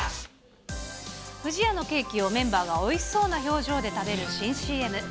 不二家のケーキをメンバーがおいしそうな表情で食べる新ＣＭ。